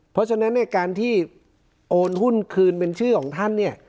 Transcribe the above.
เพราะฉะนั้นเนี่ยการที่โอนหุ้นคืนเป็นชื่อของท่านเนี่ย